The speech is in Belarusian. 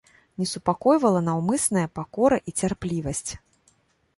Не супакойвала наўмысная пакора і цярплівасць.